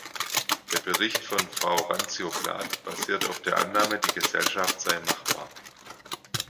Der Bericht von Frau Randzio-Plath basiert auf der Annahme, die Gesellschaft sei machbar.